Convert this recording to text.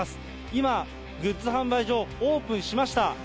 今、グッズ販売所、オープンしました。